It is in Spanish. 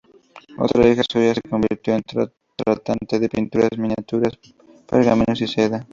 Otra hija suya se convirtió en tratante de pinturas, miniaturas, pergaminos y seda.